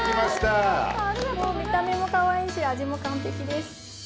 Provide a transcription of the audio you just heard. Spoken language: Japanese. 見た目もかわいいし味も完璧です。